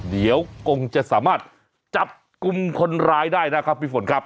เดี๋ยวคงจะสามารถจับกลุ่มคนร้ายได้นะครับพี่ฝนครับ